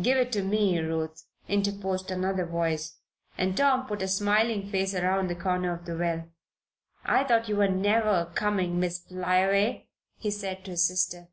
"Give it to me, Ruth," interposed another voice, and Tom put a smiling face around the corner of the well. "I thought you were never coming, Miss Flyaway," he said, to his sister.